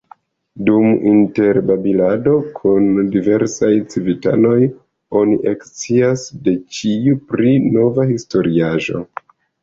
Dum interbabilado kun diversaj civitanoj, oni ekscias de ĉiu pri nova historiaĵo.